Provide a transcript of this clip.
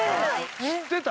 知ってた？